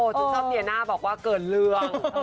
โฮผมจะที่ตัวเนียหน้าบอกว่าเกิดเรื่อง